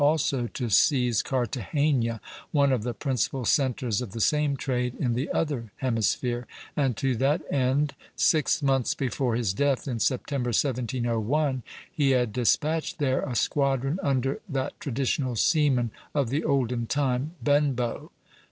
also to seize Cartagena, one of the principal centres of the same trade in the other hemisphere; and to that end, six months before his death, in September, 1701, he had despatched there a squadron under that traditional seaman of the olden time, Benbow.